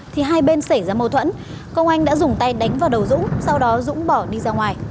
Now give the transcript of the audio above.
thì hai bên xảy ra mâu thuẫn công anh đã dùng tay đánh vào đầu dũng sau đó dũng bỏ đi ra ngoài